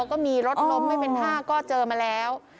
ก็มีรถล้มไม่เป็นท่าก็เจอมาแล้ว